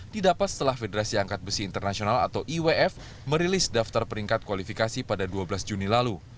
didapat setelah federasi angkat besi internasional atau iwf merilis daftar peringkat kualifikasi pada dua belas juni lalu